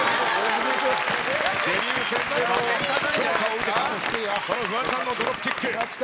デビュー戦でも評価を受けた、このフワちゃんのドロップキック。